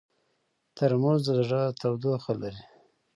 ترموز د زړه تودوخه لري.